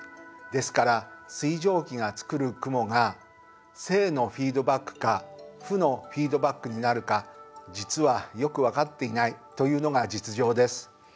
ですから水蒸気が作る雲が正のフィードバックか負のフィードバックになるか実はよく分かっていないというのが実情です。